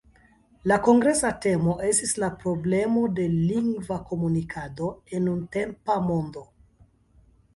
La kongresa temo estis "La problemo de lingva komunikado en nuntempa mondo".